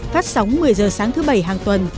phát sóng một mươi h sáng thứ bảy hàng tuần